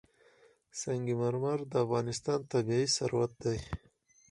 سنگ مرمر د افغانستان طبعي ثروت دی.